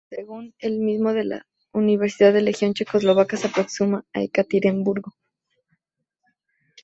Según el mismo, las unidades de la Legión Checoslovaca se aproximaban a Ekaterimburgo.